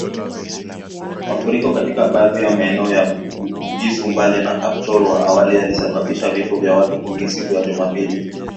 Mafuriko katika baadhi ya maeneo ya Bugisu, Mbale na Kapchorwa awali yalisababisha vifo vya watu kumi siku ya Jumapili